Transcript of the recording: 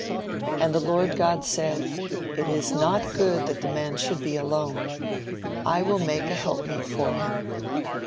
"And the Lord God said, It is not good that the man should be alone; I will make him an helpmeet for him.